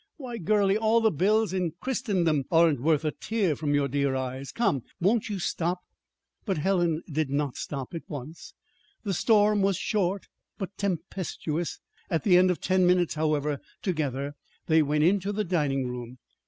"Why, girlie, all the bills in Christendom aren't worth a tear from your dear eyes. Come, won't you stop?" But Helen did not stop, at once. The storm was short, but tempestuous. At the end of ten minutes, however, together they went into the dining room.